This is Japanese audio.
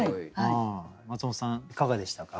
マツモトさんいかがでしたか？